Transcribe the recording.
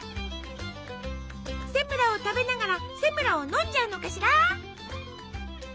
セムラを食べながらセムラを飲んじゃうのかしら！？